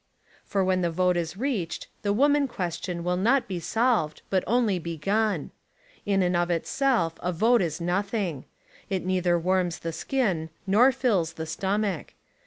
For when the vote is reached the woman question will not be solved but only begun. In and of itself, a vote is nothing. It neither warms the skin nor fills the stomach.